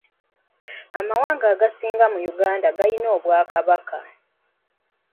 Amawanga agasinga mu Uganda galina obwakabaka.